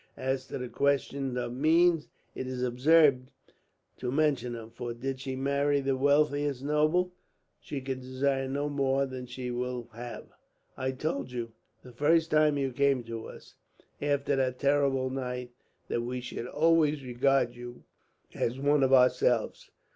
As to the question of means, it is absurd to mention them; for did she marry the wealthiest noble, she could desire no more than she will have. I told you, the first time you came to us after that terrible night, that we should always regard you as one of ourselves.